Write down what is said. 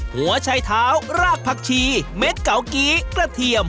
หัวชัยเท้ารากผักชีเม็ดเก่ากี้กระเทียม